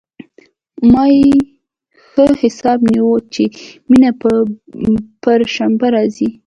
ما يې ښه حساب نيولى و چې مينه به پر شنبه راځي.